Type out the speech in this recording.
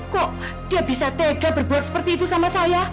kok dia bisa tega berbuat seperti itu sama saya